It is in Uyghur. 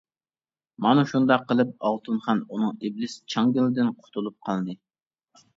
مانا شۇنداق قىلىپ ئالتۇنخان ئۇنىڭ ئىبلىس چاڭگىلىدىن قۇتۇلۇپ قالدى.